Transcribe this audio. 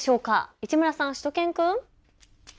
市村さん、しゅと犬くん。